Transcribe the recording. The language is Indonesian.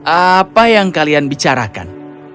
apa yang kalian bicarakan